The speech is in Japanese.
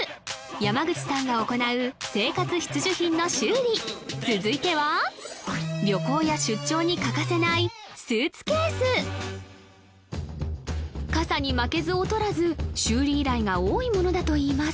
山口さんが行う生活必需品の修理続いては旅行や出張に欠かせないスーツケース傘に負けず劣らず修理依頼が多いものだといいます